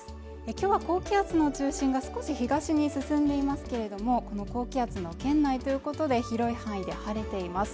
今日は高気圧の中心が少し東に進んでいますけれどもこの高気圧の圏内ということで広い範囲で晴れています